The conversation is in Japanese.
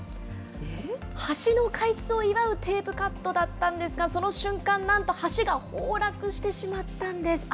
橋の開通を祝うテープカットだったんですが、その瞬間、なんと橋が崩落してしまったんです。